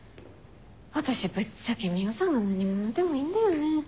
私ぶっちゃけ海音さんが何者でもいいんだよね。